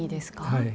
はい。